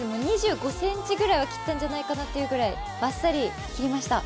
２５ｃｍくらいは切ったんじゃないかなというくらいばっさり切りました。